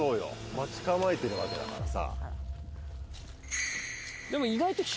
待ち構えてるわけだからさ。